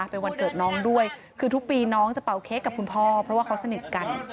เป็นวันเกิดน้องด้วยคือทุกปีน้องจะเป่าเค้กกับคุณพ่อเพราะว่าเขาสนิทกัน